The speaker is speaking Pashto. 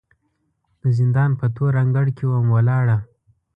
د زندان په تور انګړ کې وم ولاړه